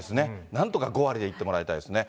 なんとか５割でいってもらいたいですね。